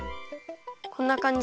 こんなかんじ？